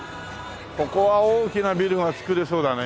ここは大きなビルが造れそうだねえ。